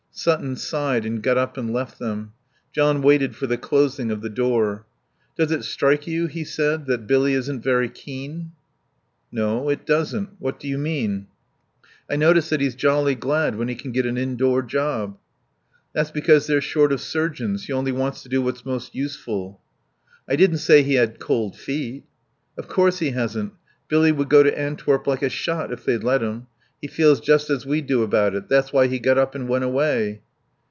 Sutton sighed and got up and left them. John waited for the closing of the door. "Does it strike you," he said, "that Billy isn't very keen?" "No. It doesn't. What do you mean?" "I notice that he's jolly glad when he can get an indoor job." "That's because they're short of surgeons. He only wants to do what's most useful." "I didn't say he had cold feet." "Of course he hasn't. Billy would go to Antwerp like a shot if they'd let him. He feels just as we do about it. That's why he got up and went away."